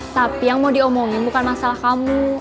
tapi yang mau diomongin bukan masalah kamu